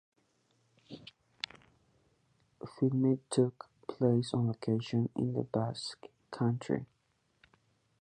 Filming took place on location in the Basque Country.